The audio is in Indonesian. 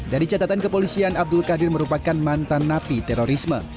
dari catatan kepolisian abdul qadir merupakan mantan napi terorisme